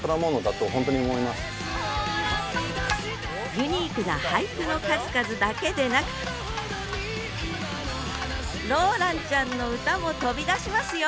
ユニークな俳句の数々だけでなくローランちゃんの歌も飛び出しますよ！